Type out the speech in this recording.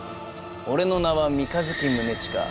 俺の名は三日月宗近。